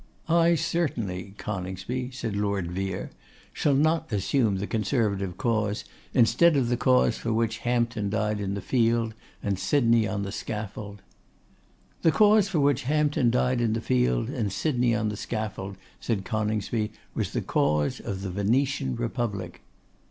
'I certainly, Coningsby,' said Lord Vere, 'shall not assume the Conservative Cause, instead of the cause for which Hampden died in the field, and Sydney on the scaffold.' 'The cause for which Hampden died in the field and Sydney on the scaffold,' said Coningsby, 'was the cause of the Venetian Republic.